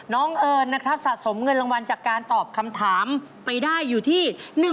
เอิญนะครับสะสมเงินรางวัลจากการตอบคำถามไปได้อยู่ที่